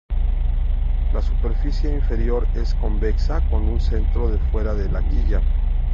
La superficie inferior es convexa con un centro de fuera de la quilla.